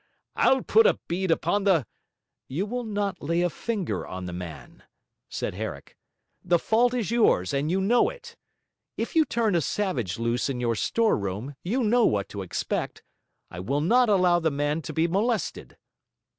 I'll put a bead upon the ' 'You will not lay a finger on the man,' said Herrick. 'The fault is yours and you know it. If you turn a savage loose in your store room, you know what to expect. I will not allow the man to be molested.'